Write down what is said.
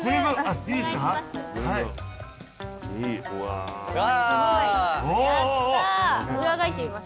お願いします。